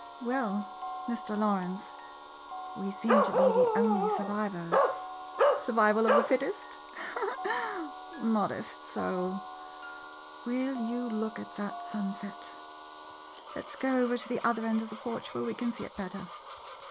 ] Well — Mr. Lawrence, we seem to be the only survivors. Survival of the fittest? Modest soul! Will you look at that sunset— let 's go over to the other end of the porch, where we can see it better.